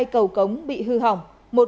tám mươi hai cầu cống bị hư hỏng